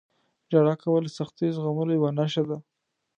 • ژړا کول د سختیو زغملو یوه نښه ده.